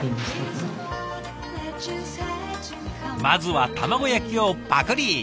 まずは卵焼きをパクリ！